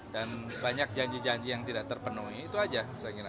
banyak janji janji yang tidak terpenuhi itu saja saya kira